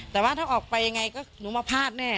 แต่ว่าถ้าออกไปยังไงก็หนูมาพลาดแน่